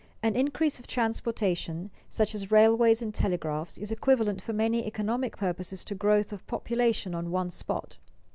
An increase of transportation, such as railways and telegraphs, is equivalent for many economic purposes to growth of population on one spot.